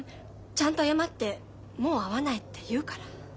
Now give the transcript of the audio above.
ちゃんと謝ってもう会わないって言うから。